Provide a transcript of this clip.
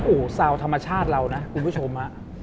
โอ้โหซาวธรรมชาติเรานะคุณผู้ชม